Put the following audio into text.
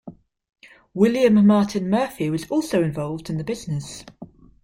William Martin Murphy was also involved in the business.